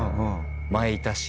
前いたし。